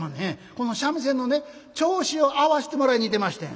この三味線のね調子を合わしてもらいに行ってましてん」。